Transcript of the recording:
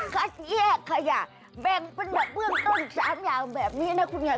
คัดแยกขยะแบ่งเป็นแบบเบื้องต้น๓อย่างแบบนี้นะคุณค่ะ